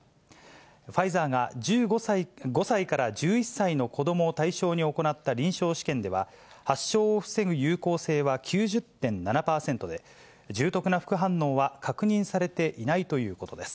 ファイザーが５歳から１１歳の子どもを対象に行った臨床試験では、発症を防ぐ有効性は９０．７％で、重篤な副反応は確認されていないということです。